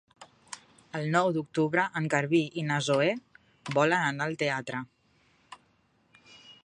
El nou d'octubre en Garbí i na Zoè volen anar al teatre.